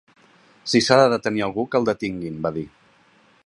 Si s’ha de detenir algú, que el detinguin, va dir.